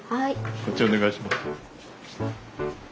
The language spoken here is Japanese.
こっちお願いします。